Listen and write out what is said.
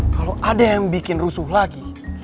kalau ada yang bikin rusuh lagi